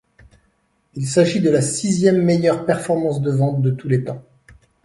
Il s'agit de la sixième meilleure performance de vente de tous les temps.